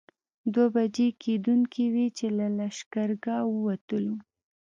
دوه بجې کېدونکې وې چې له لښکرګاه ووتلو.